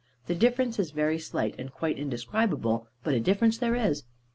The difference is very slight, and quite indescribable; but a difference there is.